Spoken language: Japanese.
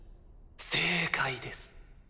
正解です。